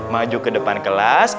maju ke depan kelas